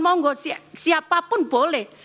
mau enggak siapapun boleh